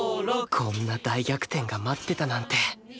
こんな大逆転が待ってたなんて